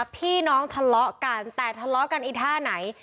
พี่น้องทะเลาะกันแต่ทะเลาะกันไอ้ท่าไหน